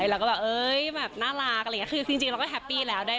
แล้วก็แบบน่ารักคือจริงเราก็แฮปปี้แล้ว